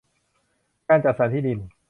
การจัดสรรที่ดิน